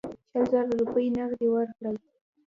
شل زره روپۍ نغدي ورکړل.